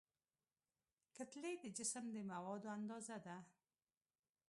کتلې د جسم د موادو اندازه ده.